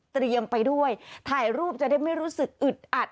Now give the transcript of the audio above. ไปด้วยถ่ายรูปจะได้ไม่รู้สึกอึดอัด